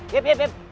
tiup tiup tiup